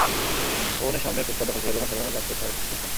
ভবনের সামনে ফুটপাত দখল করে দোকান সাজানোর কাজ করছে আরেকটি প্রতিষ্ঠান।